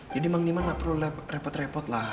jadi emang diman gak perlu repot repot lah